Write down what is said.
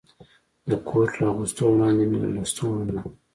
د کوټ له اغوستو وړاندې مې له لستوڼو نه.